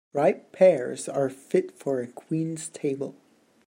Ripe pears are fit for a queen's table.